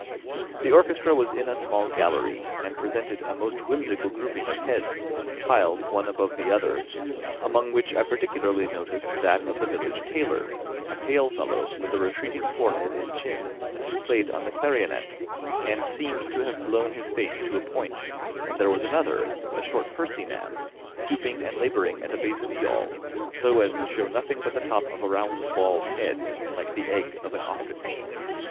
The orchestra was in a small gallery, and presented a most whimsical grouping of heads, piled one above the other, among which I particularly noticed that of the village tailor, a pale fellow with a retreating forehead and chin, who played on the clarionet, and seemed to have blown his face to a point; and there was another, a short pursy man, stooping and labouring at a bass viol, so as to show nothing but the top of a round bald head, like the egg of an ostrich.